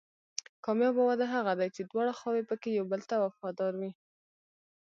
کامیابه واده هغه دی چې دواړه خواوې پکې یو بل ته وفادار وي.